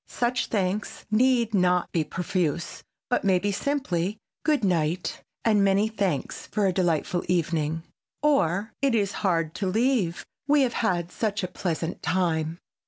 Such thanks need not be profuse, but may be simply—"Good night, and many thanks for a delightful evening!" or "It is hard to leave, we have had such a pleasant time!"